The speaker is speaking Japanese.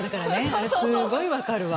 あれすっごい分かるわ。